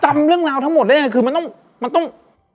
จำเรื่องราวทั้งหมดแล้วไงคือมันต้อง